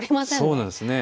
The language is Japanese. そうなんです。